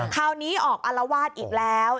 คราวนี้ออกอารวาสอีกแล้ว